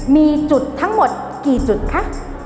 มีจุดทั้งหมดกี่จุดคะ